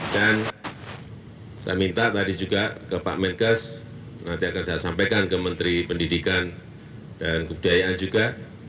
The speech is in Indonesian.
dan saya minta tadi juga ke pak menkes nanti akan saya sampaikan ke menteri pendidikan dan kebudayaan juga